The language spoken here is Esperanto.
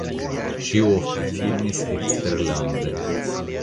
Ŝi ofte filmis eksterlande.